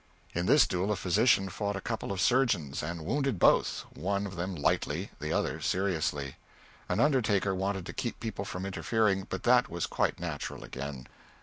In this duel a physician fought a couple of surgeons, and wounded both one of them lightly, the other seriously. An undertaker wanted to keep people from interfering, but that was quite natural again.